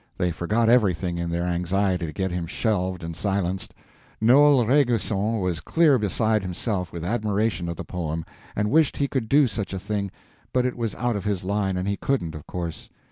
They forgot everything in their anxiety to get him shelved and silenced. Noel Rainguesson was clear beside himself with admiration of the poem, and wished he could do such a thing, but it was out of his line, and he couldn't, of course.